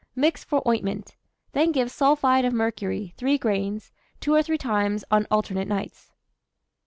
Mix for ointment. Then give sulphide of mercury, 3 grains, two or three times on alternate nights.